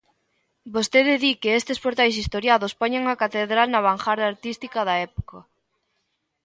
Vostede di que estes portais historiados poñen a Catedral na vangarda artística da época.